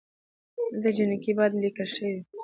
دلته جینکۍ بايد ليکل شوې وئ